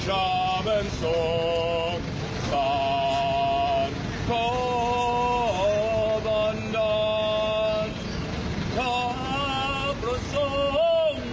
ยังมีคลิปที่ชาวต่างชาติรายหนึ่งและเครื่องออนไลน์เพลง